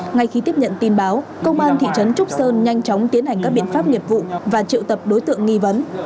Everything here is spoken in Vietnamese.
ngay khi tiếp nhận tin báo công an thị trấn trúc sơn nhanh chóng tiến hành các biện pháp nghiệp vụ và triệu tập đối tượng nghi vấn